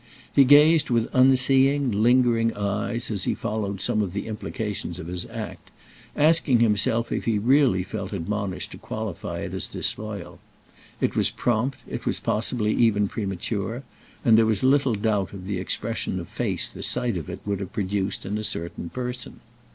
He gazed with unseeing lingering eyes as he followed some of the implications of his act, asking himself if he really felt admonished to qualify it as disloyal. It was prompt, it was possibly even premature, and there was little doubt of the expression of face the sight of it would have produced in a certain person.